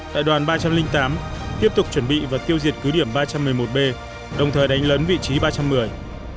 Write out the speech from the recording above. đại đoàn ba trăm linh tám tiếp tục chuẩn bị và tiêu diệt cứ điểm ba trăm một mươi một b đồng thời đánh lấn vị trí ba trăm một mươi